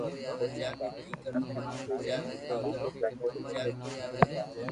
امي پري زبين ھارون ايلايو ڪجھ سوچيو ھي